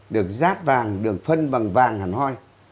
được rác vàng được phân bằng vàng hẳn hoi